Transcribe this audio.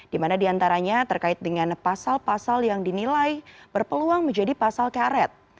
di mana diantaranya terkait dengan pasal pasal yang dinilai berpeluang menjadi pasal karet